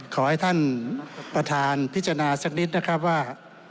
ขอให้ท่านประธานพิจารณาสักนิดนะครับว่า